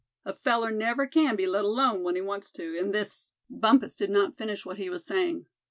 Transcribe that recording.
A feller never can be let alone when he wants to, in this——" Bumpus did not finish what he was saying.